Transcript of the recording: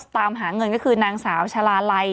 ตามหาเงินก็คือนางสาวชาลาลัย